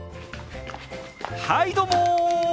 はいどうも。